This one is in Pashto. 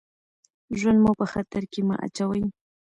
ژوند مو په خطر کې مه اچوئ.